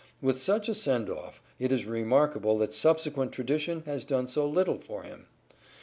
With such a send off, it is remarkable that subsequent tradition has done so little for him.